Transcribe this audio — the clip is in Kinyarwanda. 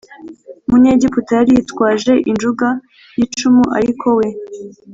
Munyegiputa yari yitwaje injunga y’icumu ariko we